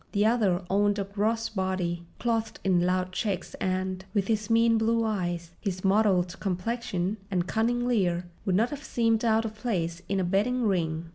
The other owned a gross body clothed in loud checks and, with his mean blue eyes, his mottled complexion, and cunning leer, would not have seemed out of place in a betting ring.